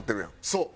そう。